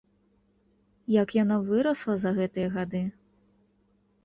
Як яна вырасла за гэтыя гады!